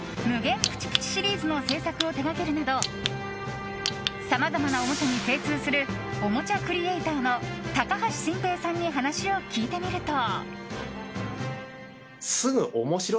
プチプチシリーズの制作を手がけるなどさまざまなおもちゃに精通するおもちゃクリエーターの高橋晋平さんに話を聞いてみると。